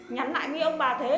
nhắn lại với ông bà thế